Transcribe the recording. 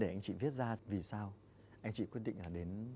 anh chị quyết định đến